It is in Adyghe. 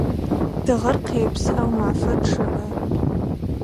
Тыгъэр къепсы, ау мафэр чъыӏэ.